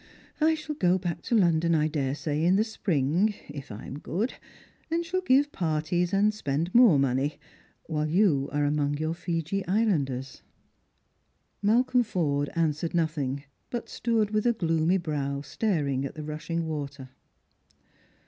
I shall go back to London, I daresay, in the spring, if I am good, and shall give parties, and spend more money, while you are among your Fiji islanders." Malcolm Forde answered nothing, but stood with a gloomy brow staring at the rushing water.